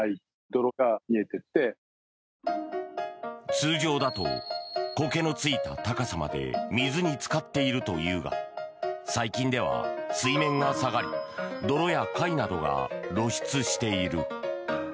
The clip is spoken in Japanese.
通常だとコケのついた高さまで水につかっているというが最近では水面が下がり泥や貝などが露出している。